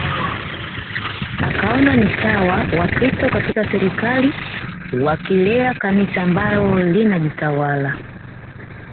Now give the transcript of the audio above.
Akaona ni sawa Wakristo katika serikali wakilea Kanisa ambalo linajitawala